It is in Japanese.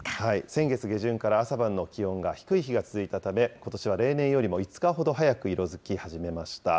先月下旬から朝晩の気温が低い日が続いたため、ことしは例年よりも５日ほど早く色づき始めました。